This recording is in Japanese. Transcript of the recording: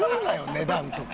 値段とか。